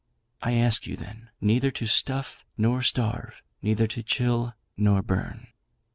I ask you, then, neither to stuff nor starve; neither to chill nor burn.